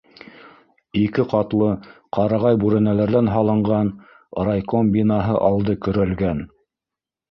Ике ҡатлы ҡарағай бүрәнәләрҙән һалынған райком бинаһы алды көрәлгән.